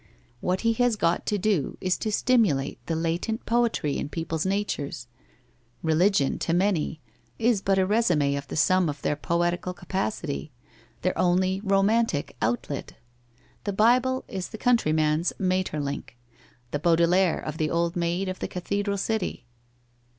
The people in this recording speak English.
What he has got to do is to stimulate the latent poetry in people's natures. Religion, to many, is but a resume of the Him of their poetical capacity, their only romantic outlet. The Bible is the country man's Maeterlinck, the Baudelaire '<[' the old maid of the cathedral city.'